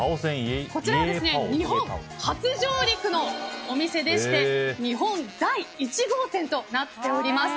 こちら、日本初上陸のお店でして日本第１号店となっております。